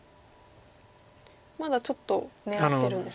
まだちょっと狙ってるんですか？